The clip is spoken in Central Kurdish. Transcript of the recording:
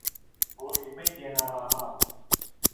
بۆ ئێمەی دێنا ڕاماڵ